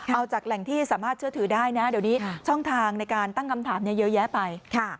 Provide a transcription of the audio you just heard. เอาจากแหล่งที่สามารถเชื่อถือได้นะเดี๋ยวนี้ช่องทางในการตั้งคำถามเยอะแยะไป